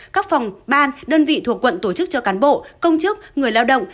các phòng ban đơn vị thuộc quận tổ chức cho cán bộ công chức người lao động